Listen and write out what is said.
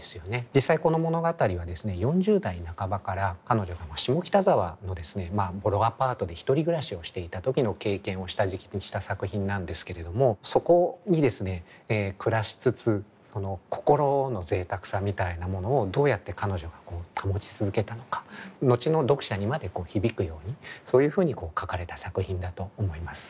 実際この物語はですね４０代半ばから彼女は下北沢のボロアパートで１人暮らしをしていた時の経験を下敷きにした作品なんですけれどもそこにですね暮らしつつその心の贅沢さみたいなものをどうやって彼女が保ち続けたのか後の読者にまで響くようにそういうふうに書かれた作品だと思います。